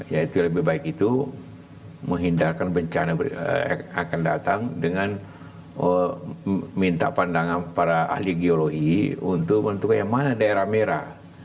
yaitu lebih baik itu menghindarkan bencana yang akan datang dengan minta pandangan para ahli geologi untuk menentukan yang mana daerah merah